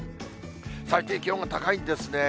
最低気温が高いんですね。